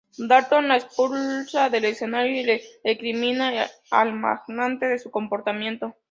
Dalton la expulsa del escenario y le recrimina al magnate su comportamiento.